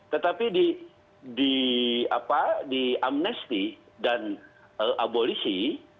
tetapi di amnesti dan abolisi